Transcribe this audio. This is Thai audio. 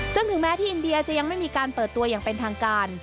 ซึ่งถึงแม้ที่อินเดียจะยังไม่มีการเปิดตัวอย่างเป็นทางการ